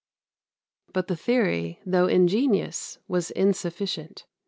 ] But the theory, though ingenious, was insufficient.